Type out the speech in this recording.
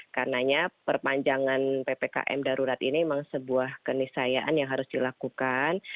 karenanya perpanjangan ppkm darurat ini memang sebuah kenisayaan yang harus dilakukan